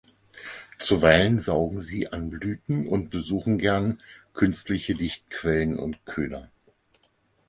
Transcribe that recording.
Zuweilen saugen sie an Blüten und besuchen gern künstliche Lichtquellen und Köder.